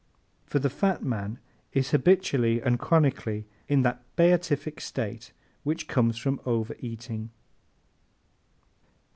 For the fat man is habitually and chronically in that beatific state which comes from over eating.